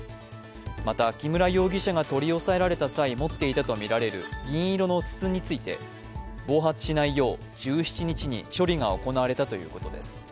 また、木村容疑者が取り押さえられた際に持っていたとみられるる銀色の筒について暴発しないよう、１７日に処理が行われたということです。